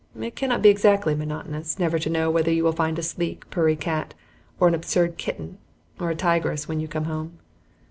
It cannot be exactly monotonous never to know whether you will find a sleek, purry cat, or an absurd kitten, or a tigress, when you come home.